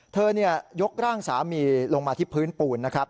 เธอเนี่ยยกร่างสามีลงมาที่พื้นปูนนะครับ